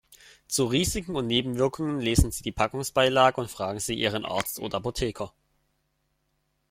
Zu Risiken und Nebenwirkungen lesen Sie die Packungsbeilage und fragen Sie Ihren Arzt oder Apotheker.